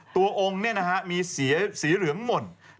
องค์มีสีเหลืองหม่น